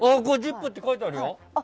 「ＺＩＰ！」って書いてある。